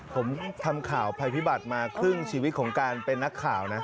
ผมทำข่าวภัยพิบัติมาครึ่งชีวิตของการเป็นนักข่าวนะ